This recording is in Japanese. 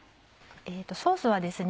ソースはですね